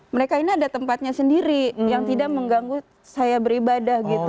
mereka ini ada tempatnya sendiri yang tidak mengganggu saya beribadah gitu